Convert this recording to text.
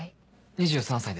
２３歳です。